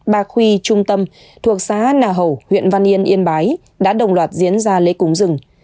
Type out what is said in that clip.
bà khuy trung tâm thuộc xá nà hậu huyện văn yên yên bái đã đồng loạt diễn ra lễ cúng rừng